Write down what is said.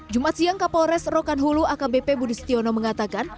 jumat siang kapolres rokan hulu akbp budistiono mengatakan